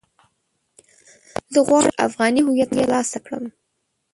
زه غواړم چې افغاني هويت ترلاسه کړم.